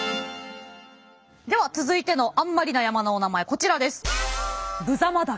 では続いてのあんまりな山のお名前こちらです。